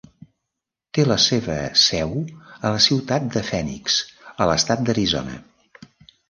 Té la seva seu a la ciutat de Phoenix, a l'estat d'Arizona.